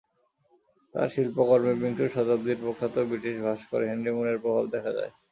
তাঁর শিল্পকর্মে বিংশ শতাব্দীর প্রখ্যাত ব্রিটিশ ভাস্কর হেনরি ম্যুরের প্রভাব দেখা যায়।